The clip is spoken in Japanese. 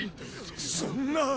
そんな。